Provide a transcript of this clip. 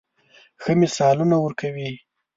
ښه مثالونه ورکوي.